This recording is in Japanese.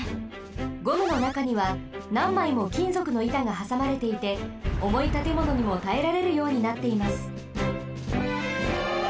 ゴムのなかにはなんまいもきんぞくのいたがはさまれていておもいたてものにもたえられるようになっています。